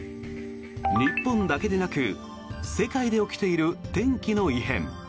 日本だけでなく世界で起きている天気の異変。